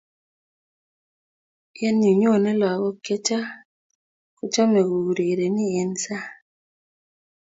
Eng yu nyone lakok che chang kochomei kourereni eng saang.